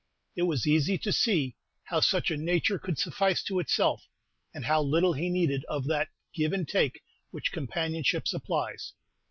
It was easy to see how such a nature could suffice to itself, and how little he needed of that give and take which companionship supplies.